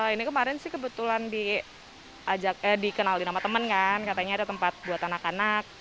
ini kemarin sih kebetulan dikenali nama teman kan katanya ada tempat buat anak anak